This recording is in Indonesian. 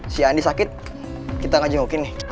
si andi sakit kita gak jengukin nih